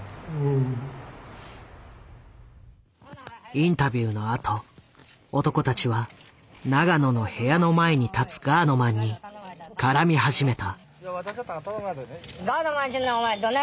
インタビューのあと男たちは永野の部屋の前に立つガードマンに絡み始めた。